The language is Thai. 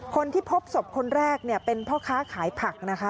คนที่พบศพคนแรกเนี่ยเป็นพ่อค้าขายผักนะคะ